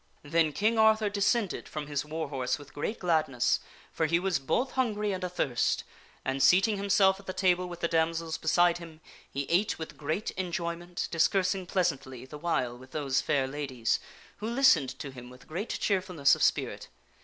Then King Arthur descended from his war horse with great gladness, for he was both hungry and athirst, and, seating himself at the table with the damsels beside him, he ate with great enjoyment, dis coursing pleasantly the while with those fair ladies, who ^a g and drinks listened to him with great cheerfulness of spirit.